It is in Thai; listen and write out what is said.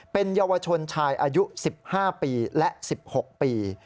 เป็นเยาวชนชายอายุ๑๕ปีและ๑๖ปี